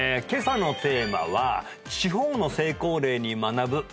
今朝のテーマは「地方の成功例に学ぶ！」